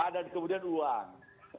dan kemudian uang